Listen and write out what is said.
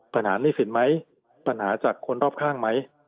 ปัญหาหนี้สินไหมปัญหาจากคนรอบข้างไหม